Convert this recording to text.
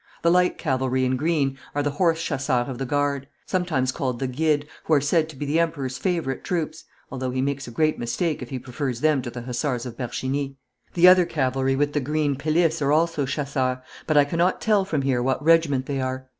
The light cavalry in green are the Horse Chasseurs of the Guard, sometimes called the Guides, who are said to be the Emperor's favourite troops, although he makes a great mistake if he prefers them to the Hussars of Bercheny. The other cavalry with the green pelisses are also chasseurs, but I cannot tell from here what regiment they are.